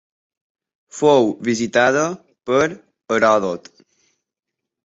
Fou visitada per Heròdot.